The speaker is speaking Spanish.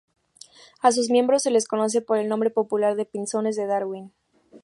A sus miembros se les conoce por el nombre popular de pinzones de Darwin.